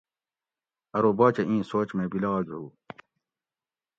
ارو باچہ اِیں سوچ مئی بِلاگ ہُو